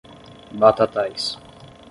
Batatais